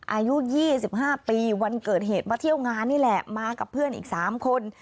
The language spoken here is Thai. อายุ๒๕ปีวันเกิดเหตุมาเที่ยวงานนี่แหละมากับเพื่อนอีก๓คน